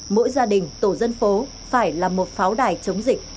mỗi gia đình tổ dân phố phải là một pháo đài chống dịch